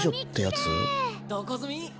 どこ住み？